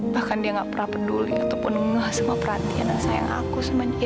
bahkan dia gak pernah peduli ataupun ngeh semua perhatian dan sayang aku sama dia